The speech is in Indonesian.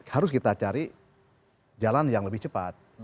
harus kita cari jalan yang lebih cepat